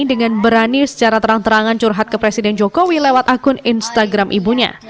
dengan berani secara terang terangan curhat ke presiden jokowi lewat akun instagram ibunya